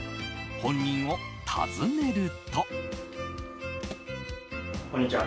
本人を訪ねると。